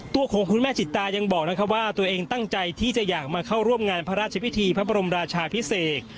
ตัวของคุณแม่จิตตายังบอกนะครับว่าตัวเองตั้งใจที่จะอยากมาเข้าร่วมงานพระราชพิธีพระบรมราชาพิเศษ